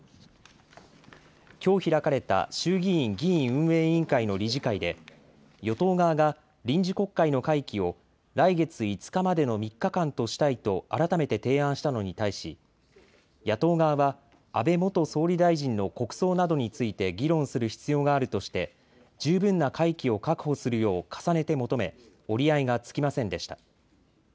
きょう開かれた衆議院議員運営委員会の理事会で与党側が臨時国会の会期を来月５日までの３日間としたいと改めて提案したのに対し、野党側は安倍元総理大臣の国葬などについて議論する必要があるとして十分な会期を確保するよう重ねて求め折り合いがつきませんでした。